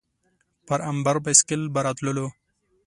پر امبر بایسکل به راتللو.